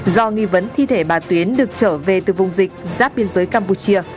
do nghi vấn thi thể bà tuyến được trở về từ vùng dịch giáp biên giới campuchia